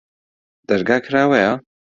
دەرگا کراوەیە؟